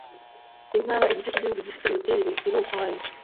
intara: igice k’igihugu gifite imiterere iri ukwayo